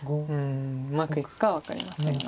うまくいくかは分かりませんが。